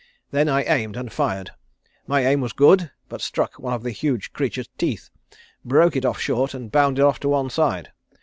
Then I aimed, and fired. My aim was good, but struck one of the huge creature's teeth, broke it off short, and bounded off to one side.